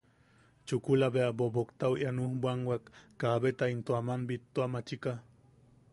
Chukula bea boboktau ian ujbwanwak, kaabeta into aman bittuamachika.